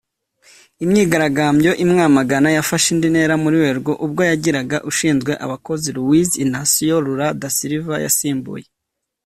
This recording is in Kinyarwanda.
Imyigaragambyo imwamagana yafashe indi ntera muri Werurwe ubwo yagiraga ushinzwe abakozi Luiz Inacio Lula da Silva yasimbuye